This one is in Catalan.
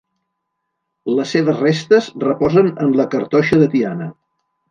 Les seves restes reposen en la Cartoixa de Tiana.